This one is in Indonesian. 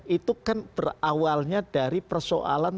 itu kan berawalnya dari persoalan